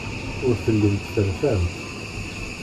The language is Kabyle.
Ur tellimt terfamt.